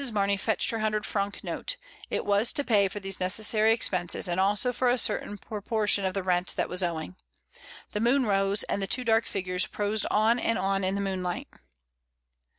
Mamey fetched her hundred franc note; it was to pay for these necessary expenses, and also for a certain proportion of rent that was owing. The moon rose, and the two dark figures prosed on and on in the moonlight.